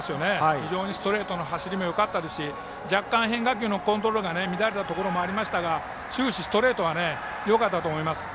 非常にストレートの走りもよかったですし若干、変化球のコントロールが乱れたところもありましたが終始ストレートがよかったと思います。